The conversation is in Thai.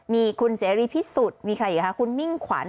มีคุณเสรีพิสุทธิ์มีใครอีกคะคุณมิ่งขวัญ